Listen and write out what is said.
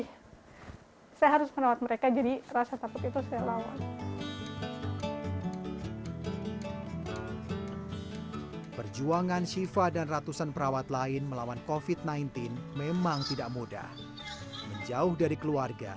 hai perjuangan sifat dan ratusan perawat lain melawan copit sembilan belas memang tidak mudah moj baz understand